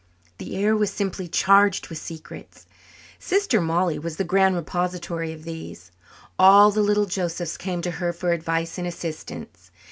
The air was simply charged with secrets. Sister Mollie was the grand repository of these; all the little Josephs came to her for advice and assistance.